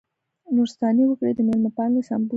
نورستاني وګړي د مېلمه پالنې سمبول دي.